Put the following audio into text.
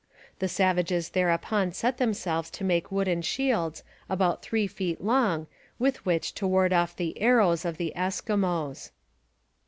The savages thereupon set themselves to make wooden shields about three feet long with which to ward off the arrows of the Eskimos.